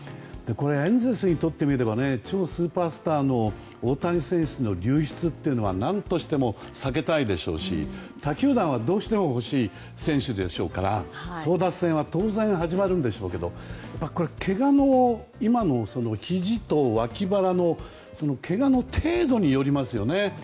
エンゼルスにとってみれば超スーパースターの大谷選手の流出っていうのは何としても避けたいでしょうし他球団はどうしても欲しい選手でしょうから争奪戦は当然、始まるんでしょうけど今のひじと脇腹のけがの程度によりますよね。